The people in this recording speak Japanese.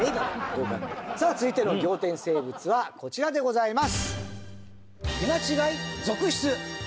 どう考えてもさあ続いての仰天生物はこちらでございます